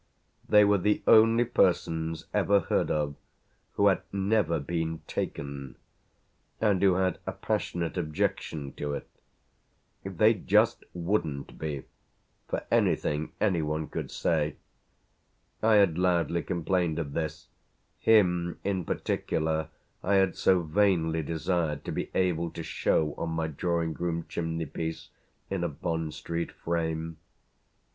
They were the only persons ever heard of who had never been "taken" and who had a passionate objection to it. They just wouldn't be, for anything any one could say. I had loudly complained of this; him in particular I had so vainly desired to be able to show on my drawing room chimney piece in a Bond Street frame.